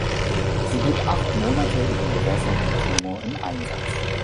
Sie blieb acht Monate in den Gewässern um Timor im Einsatz.